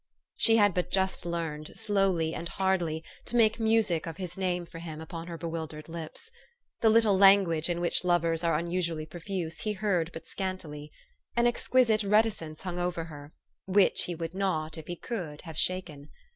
She had but just learned, slowly and hardly, to make music of his name for him upon her bewildered lips. The "little language" in which lovers are usually profuse , he heard but scantily. An exquisite reticence hung over her, which he would not, if he could, have shaken.